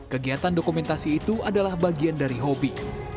kegiatan dokumentasi itu adalah bagian dari hobi